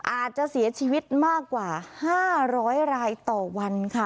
อาจจะเสียชีวิตมากกว่า๕๐๐รายต่อวันค่ะ